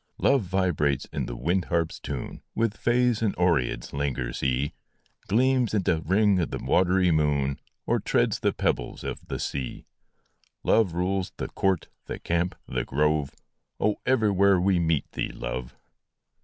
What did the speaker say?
Love vibrates in the wind harp s tune With fays and oreads lingers he Gleams in th ring of the watery moon, Or treads the pebbles of the sea. Love rules " the court, the camp, the grove " Oh, everywhere we meet thee, Love